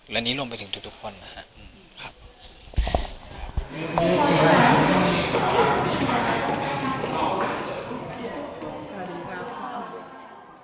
และนี้รวมไปถึงทุกคนนะครับ